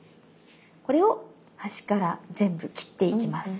これを端から全部切っていきます。